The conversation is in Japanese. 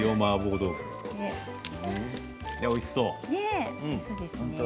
おいしそう。